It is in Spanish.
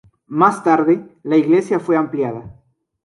Más tarde la iglesia fue ampliada.